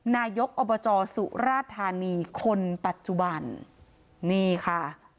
นายกอบจสุราธานีคนปัจจุบันนี่ค่ะ